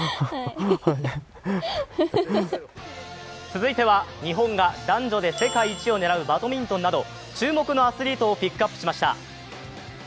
続いては日本が男女で世界一を狙うバドミントンなど注目のアスリートをピックアップしました。